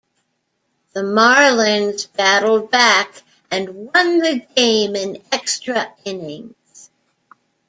The Marlins battled back and won the game in extra innings.